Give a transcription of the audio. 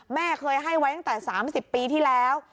แม่เคยให้ไว้ตั้งแต่๓๐ปีที่แล้ว